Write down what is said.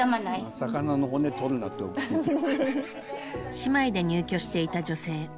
姉妹で入居していた女性。